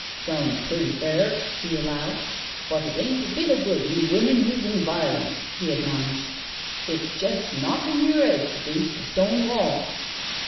" Sounds pretty fair," he allowed. " But it ain't a bit o' good you women usin' violence," he admonished; "it's jest knockin' yer 'eads against a stone wall."